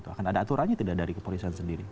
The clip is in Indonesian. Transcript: akan ada aturannya tidak dari kepolisian sendiri